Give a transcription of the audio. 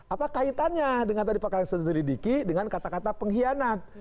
apa kaitannya dengan tadi perkara yang sudah diselidiki dengan kata kata pengkhianat